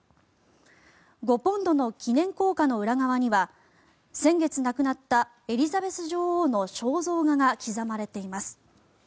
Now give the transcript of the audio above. ５ポンドの記念硬貨の裏側には先月亡くなったエリザベス女王の肖像画が刻まれています。